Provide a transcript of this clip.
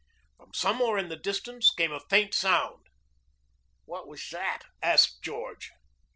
From somewhere in the distance came a faint sound. "What was that?" asked George.